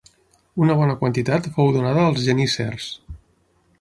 Una bona quantitat fou donada als geníssers.